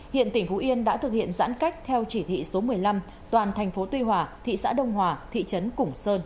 hiện tỉnh phú yên đã thực hiện giãn cách theo chỉ thị số một mươi năm toàn thành phố tuy hòa thị xã đông hòa thị trấn củng sơn